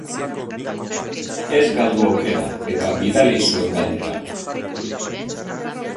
Ez galdu aukera eta bidali zuen galderak.